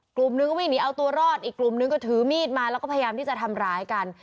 กลุ่มนึงก็วิ่งหนีเอาตัวรอดอีกกลุ่มนึงก็ถือมีดมาแล้วก็พยายามที่จะทำร้ายกัน